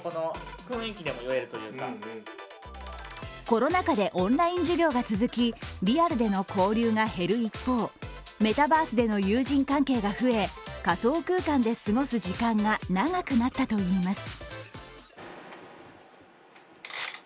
コロナ禍でオンライン授業が続き、リアルでの交流が減る一方、メタバースでの友人関係が増え、仮想空間で過ごす時間が長くなったといいます。